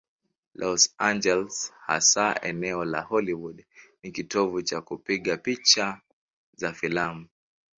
Los Angeles, hasa eneo la Hollywood, ni kitovu cha kupiga picha za filamu.